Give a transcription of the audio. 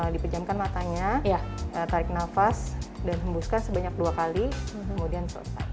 dipejamkan matanya tarik nafas dan hembuskan sebanyak dua kali kemudian selesai